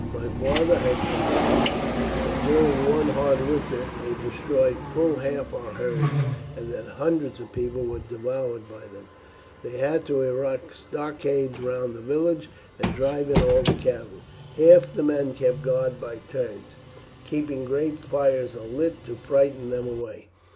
My father has told me that during one hard winter they destroyed full half our herds, and that hundreds of people were devoured by them. They had to erect stockades round the villages and drive in all the cattle, and half the men kept guard by turns, keeping great fires alight to frighten them away.